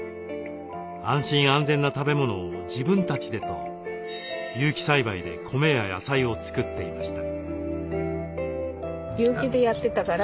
「安心安全な食べ物を自分たちで」と有機栽培で米や野菜を作っていました。